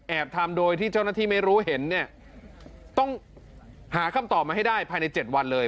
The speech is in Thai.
ทำโดยที่เจ้าหน้าที่ไม่รู้เห็นเนี่ยต้องหาคำตอบมาให้ได้ภายใน๗วันเลย